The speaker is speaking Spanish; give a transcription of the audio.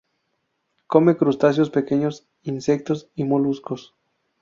Come crustáceos pequeños, insectos y moluscos.